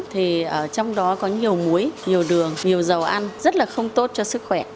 thì trong đó có nhiều muối nhiều đường nhiều dầu ăn rất là không tốt cho sức khỏe